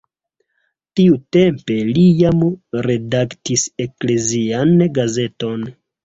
Tiutempe li jam redaktis eklezian gazeton.